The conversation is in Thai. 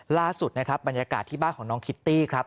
ล่าสุดนะครับบรรยากาศที่บ้านของน้องคิตตี้ครับ